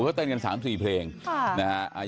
ตามเป็นหน่อยจากแม่ก็พึ่งเสียเคยเจอ